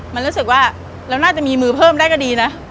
มันรู้สึกว่าเราน่าจะมีมือเพิ่มได้ก็ดีนะ